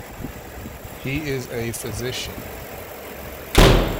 He is a physician.